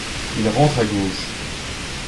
Il rentre à gauche.